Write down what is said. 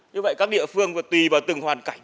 như vậy các địa phương tùy vào từng hoàn cảnh